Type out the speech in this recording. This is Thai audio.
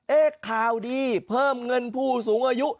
ข่าวดีเพิ่มเงินผู้สูงอายุ